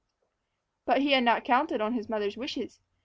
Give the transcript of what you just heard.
But he had not counted on his mother's wishes.